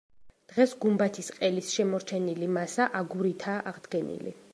დღეს გუმბათის ყელის შემორჩენილი მასა აგურითაა აღდგენილი.